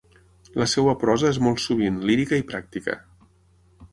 La seva prosa és molt sovint lírica i pràctica.